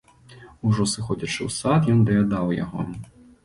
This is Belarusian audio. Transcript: Ужо сыходзячы ў сад, ён даядаў яго.